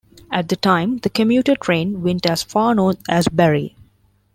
At the time, the commuter train went as far north as Barrie.